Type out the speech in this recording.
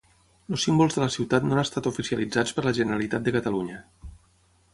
Els símbols de la ciutat no han estat oficialitzats per la Generalitat de Catalunya.